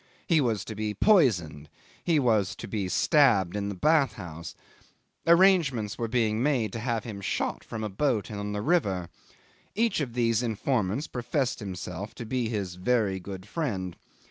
He was to be poisoned. He was to be stabbed in the bath house. Arrangements were being made to have him shot from a boat on the river. Each of these informants professed himself to be his very good friend.